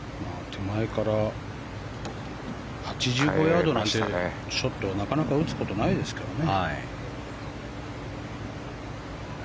手前から８５ヤードなんてショットなかなか打つことないですからね。